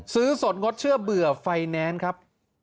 ซื้อสดงดเชื่อเบื่อไฟแนนซ์ครับ